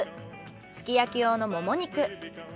すき焼き用のモモ肉。